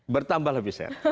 bertambah lebih sehat